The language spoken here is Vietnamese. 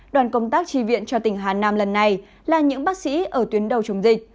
đoàn công tác tri viện cho tỉnh hà nam lần này là những bác sĩ ở tuyến đầu chống dịch